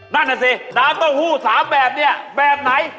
นั่นแหละสิน้ำโต้หู้สามแบบนี่แบบไหน